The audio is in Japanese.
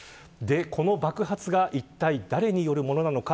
この爆発が、いったい誰によるものなのか